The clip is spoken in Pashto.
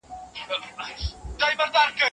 مه وايه دا چې اوس د نجونو ميره